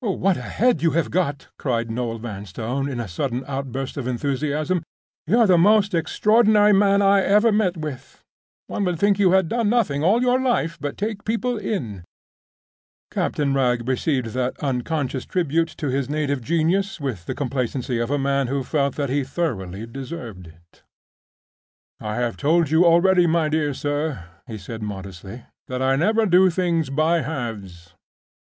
"What a head you have got!" cried Noel Vanstone, in a sudden outburst of enthusiasm. "You're the most extraordinary man I ever met with. One would think you had done nothing all your life but take people in." Captain Wragge received that unconscious tribute to his native genius with the complacency of a man who felt that he thoroughly deserved it. "I have told you already, my dear sir," he said, modestly, "that I never do things by halves.